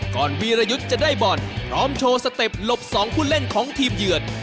วีรยุทธ์จะได้บอลพร้อมโชว์สเต็ปหลบ๒ผู้เล่นของทีมเยือน